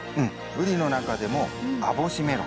ウリの中でも網干メロン。